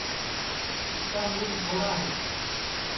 اُس کا موڈؔ پھوڑا ہے